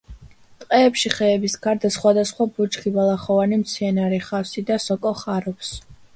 ტყეებში ხეების გარდა, სხვადასხვა ბუჩქი, ბალახოვანი მცენარე, ხავსი და სოკო ხარობს.